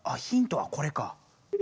ヒントはこれか。